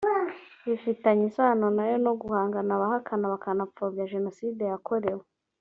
bifitanye isano nayo no guhangana n abahakana bakanapfobya jenoside yakorewe